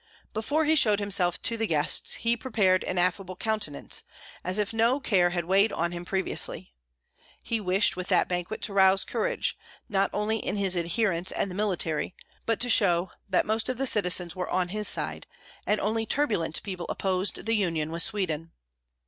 Before he showed himself to the guests he prepared an affable countenance, as if no care had weighed on him previously; he wished with that banquet to rouse courage, not only in his adherents and the military, but to show that most of the citizens were on his side, and only turbulent people opposed the union with Sweden.